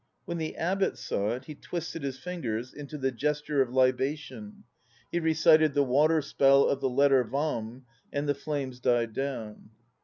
When the Abbot saw it, he twisted his fingers into the Gesture of Libation; he recited the Water Spell of the Letter Yam, and the flames died down.